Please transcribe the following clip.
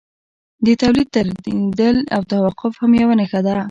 د تولید درېدل او توقف هم یوه نښه ده